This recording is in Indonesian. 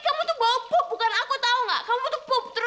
namun aku berharap dia mau tidur